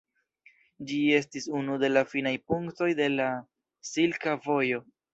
Ĝi estis unu de la finaj punktoj de la silka vojo.